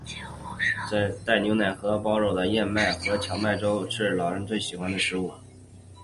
带牛奶和狍肉的燕麦和荞麦粥是老年人喜欢的食物。